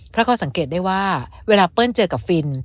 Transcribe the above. เพราะเขาสังเกตได้ว่าเวลาเปิ้ลเจอกับฟิน